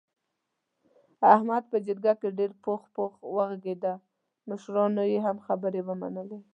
احمد په جرګه کې ډېر پوخ پوخ و غږېدا مشرانو یې هم خبرې ومنلې.